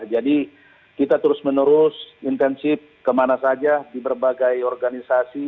jadi kita terus menerus intensif kemana saja di berbagai organisasi